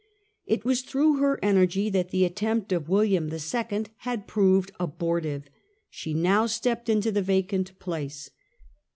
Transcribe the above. It was through her energy that the attempt of William II. had proved abortive. She now stepped into the vacant place.